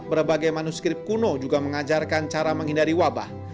berbagai manuskrip kuno juga mengajarkan cara menghindari wabah